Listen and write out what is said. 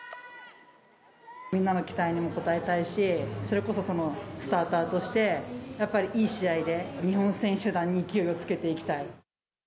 みんなの期待にも応えたいし、それこそスターターとして、やっぱりいい試合で日本選手団に勢いをつけていきたい。